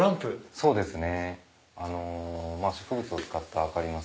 そうですね。